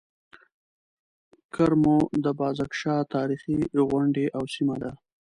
کرمو د بازک شاه تاريخي غونډۍ او سيمه ده.